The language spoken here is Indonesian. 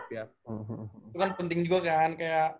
itu kan penting juga kan